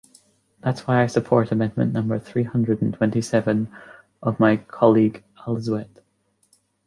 That’s why I support amendment number three hundred and twenty seven of my colleague Alauzet.